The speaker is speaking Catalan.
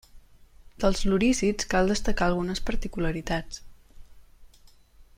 Dels lorísids cal destacar algunes particularitats.